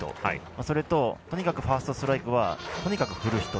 それと、ファーストストライクはとにかく振る人。